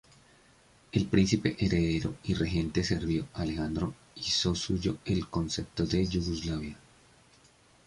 El príncipe heredero y regente serbio, Alejandro, hizo suyo el concepto de Yugoslavia.